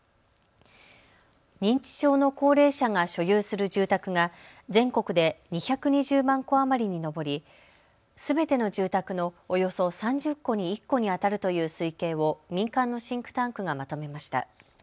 認知症の高齢者が所有する住宅が全国で２２０万戸余りに上りすべての住宅のおよそ３０戸に１戸にあたるという推計を民間のシンクタンクがまとめました。